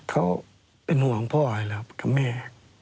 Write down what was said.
เขาเป็นห่วงพ่อไหล่ครับกับแม่